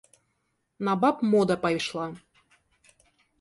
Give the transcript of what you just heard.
На баб мода пайшла.